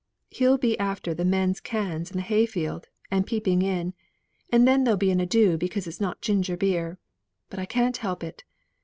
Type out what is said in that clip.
He'll be after the men's cans in the hay field, and peeping in; and then there'll be an ado because it's not ginger beer, but I can't help it.